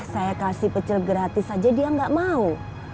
saya kasih pecel gratis aja dia gak mau